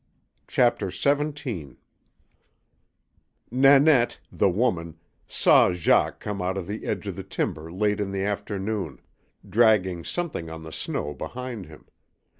CHAPTER SEVENTEEN Nanette, the woman, saw Jacques come out of the edge of the timber late in the afternoon, dragging something on the snow behind him.